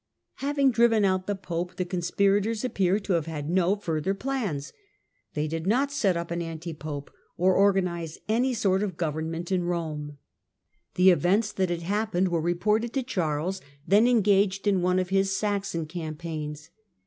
Having driven out the Pope the conspirators appear to have had no further plans. They did not set up an antipope or organise any sort of government in Eome. The events that had happened were reported to Charles, then engaged in one of his Saxon campaigns.